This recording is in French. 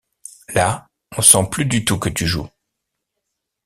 Là, on sent plus du tout que tu joues.